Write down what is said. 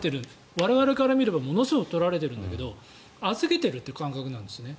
我々から見ればものすごく取られているんだけど預けているって感覚なんですね。